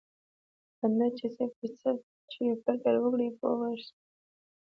بنده چې فکر وکړي پوه به شي.